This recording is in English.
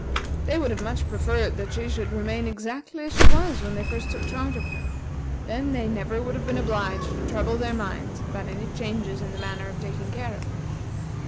They would have much preferred that she should remain exactly as she was when they first took charge of her. Then they never would have been obliged to trouble their minds about any changes in the manner of taking care of her.